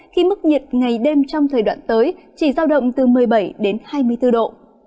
khi mức nhiệt ngày đêm trong thời đoạn tới chỉ giao động từ một mươi bảy đến hai mươi bốn độ